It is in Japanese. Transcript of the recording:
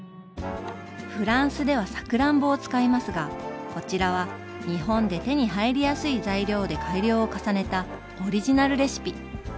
フランスではさくらんぼを使いますがこちらは日本で手に入りやすい材料で改良を重ねたオリジナルレシピ。